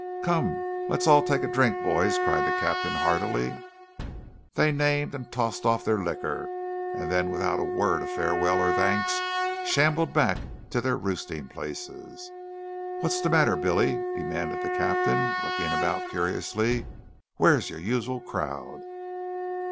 "Come, let's all take a drink, boys!" cried the captain heartily. They named and tossed off their liquor, and then without a word of farewell or thanks shambled back to their roosting places. "What's the matter, Billy?" demanded the captain, looking about curiously. "Where's your usual crowd?"